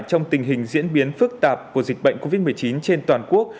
trong tình hình diễn biến phức tạp của dịch bệnh covid một mươi chín trên toàn quốc